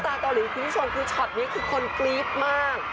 เกาหลีคุณผู้ชมคือช็อตนี้คือคนกรี๊ดมาก